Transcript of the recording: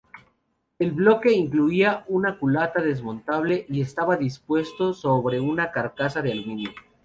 El bloque incluía una culata desmontable y estaba dispuesto sobre una carcasa de aluminio.